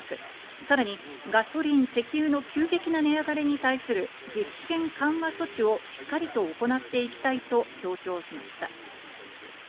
さらにガソリン石油への急激な値上がりに対する激変緩和措置をしっかりと行っていきたいと強調しました。